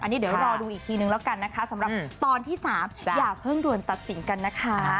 อันนี้เดี๋ยวรอดูอีกทีนึงแล้วกันนะคะสำหรับตอนที่๓อย่าเพิ่งด่วนตัดสินกันนะคะ